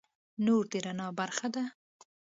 نور د رڼا برخه ده.